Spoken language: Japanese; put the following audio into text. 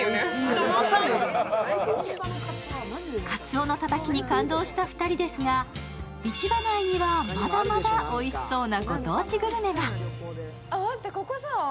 鰹のたたきに感動した２人ですが市場内にはまだまだおいしそうなご当地グルメが。